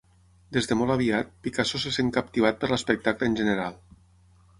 Des de molt aviat, Picasso se sent captivat per l'espectacle en general.